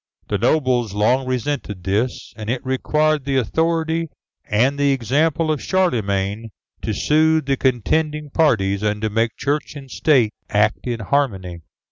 The nobles long resented this, and it required the authority and the example of Charlemagne to soothe the contending parties, and to make Church and State act in harmony.